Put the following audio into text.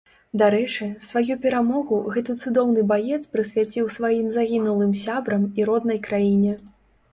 Дарэчы, сваю перамогу гэты цудоўны баец прысвяціў сваім загінулым сябрам і роднай краіне.